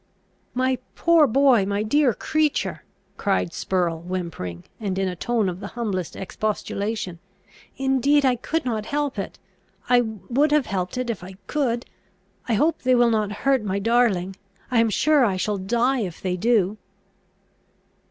"My poor boy! my dear creature!" cried Spurrel, whimpering, and in a tone of the humblest expostulation, "indeed I could not help it! I would have helped it, if I could! I hope they will not hurt my darling! I am sure I shall die if they do!"